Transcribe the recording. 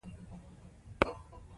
په طبیعي فضا کې لږ وخت تېرول ګټور دي.